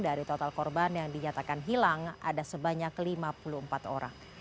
dari total korban yang dinyatakan hilang ada sebanyak lima puluh empat orang